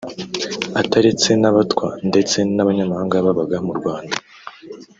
ataretse n’Abatwa ndetse n’abanyamahanga babaga mu Rwanda